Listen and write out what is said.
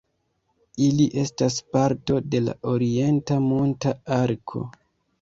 Ili estas parto de la Orienta Monta Arko.